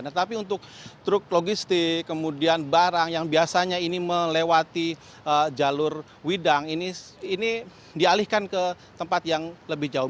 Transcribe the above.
tetapi untuk truk logistik kemudian barang yang biasanya ini melewati jalur widang ini dialihkan ke tempat yang lebih jauh